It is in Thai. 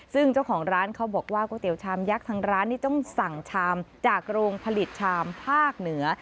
ซึ่งเจ้าของร้านเขาบอกว่าก๋วยเตี๋ยวชามยักษ์ทางร้านนี่ต้องสั่งชามจากโรงผลิตชามภาคเหนือ